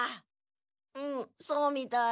うんそうみたい。